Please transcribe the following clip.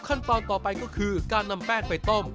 ขั้นตอนต่อไปก็คือการนำแป้งไปต้ม